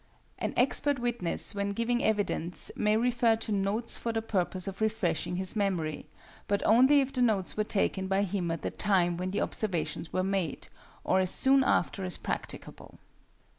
An expert witness when giving evidence may refer to notes for the purpose of refreshing his memory, but only if the notes were taken by him at the time when the observations were made, or as soon after as practicable.